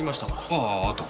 あああった。